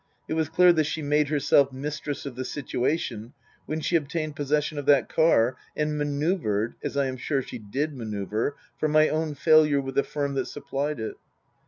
It was clear that she made herself mistress of the situation when she obtained possession of that car and manoeuvred (as I am convinced she did manoeuvre) for my own failure with the firm that supplied it.